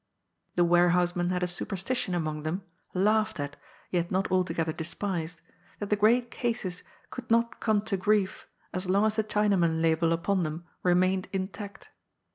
The warehousemen had a super stition among them, laughed at, yet not altogether despised, that the great cases could not come to grief as long as the Chinaman label upon them remained intact.